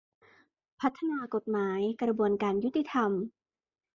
พัฒนากฎหมาย กระบวนการยุติธรรม